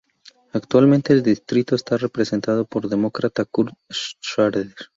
Actualmente el distrito está representado por el Demócrata Kurt Schrader.